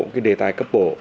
cái đề tài cấp bổ